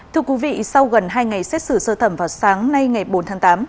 thưa quý vị sau gần hai ngày xét xử sơ thẩm vào sáng nay ngày bốn tháng tám